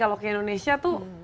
kalau ke indonesia tuh